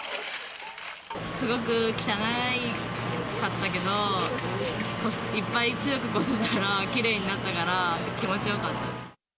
すごく汚かったけど、いっぱい強くこすったらきれいになったから、気持ちよかったです。